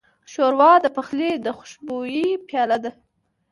ښوروا د پخلي د خوشبویۍ پایله ده.